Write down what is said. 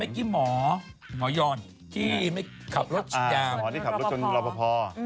เมื่อกี้หมอย้อนที่ขับรถจริงยามหมอที่ขับรถจนหล่อพอพอ